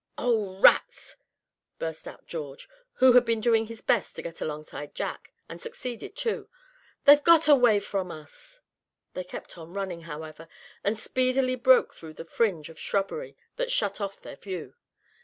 "Oh! rats!" burst out George, who had been doing his best to get alongside Jack, and succeeded too, "they've got away from us!" They kept on running, however, and speedily broke through the fringe of shrubbery that shut off their view.